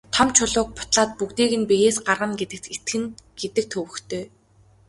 Том чулууг бутлаад бүгдийг нь биеэс гаргана гэдэгт итгэнэ гэдэг төвөгтэй.